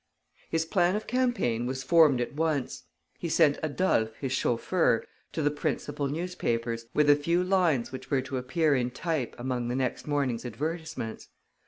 His plan of campaign was formed at once. He sent Adolphe, his chauffeur, to the principal newspapers, with a few lines which were to appear in type among the next morning's advertisements.